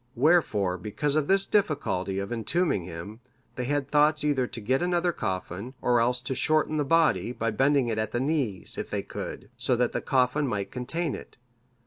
Wherefore because of this difficulty of entombing him, they had thoughts either to get another coffin, or else to shorten the body, by bending it at the knees, if they could, so that the coffin might contain it.